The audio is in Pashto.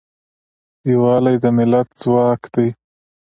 یوالی د ملت ځواک دی.